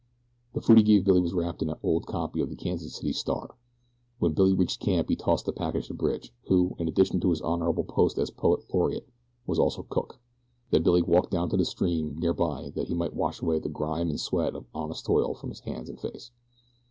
The food he gave Billy was wrapped in an old copy of the Kansas City Star. When Billy reached camp he tossed the package to Bridge, who, in addition to his honorable post as poet laureate, was also cook. Then Billy walked down to the stream, near by, that he might wash away the grime and sweat of honest toil from his hands and face.